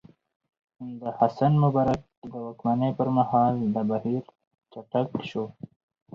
د حسن مبارک د واکمنۍ پر مهال دا بهیر چټک شو.